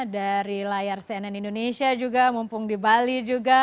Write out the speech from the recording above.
dari layar cnn indonesia juga mumpung di bali juga